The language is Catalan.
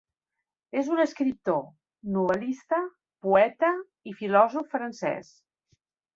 És un escriptor, novel·lista, poeta i filòsof francès.